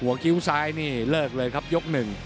หัวกิ้วซ้ายนี่เลิกเลยครับยก๑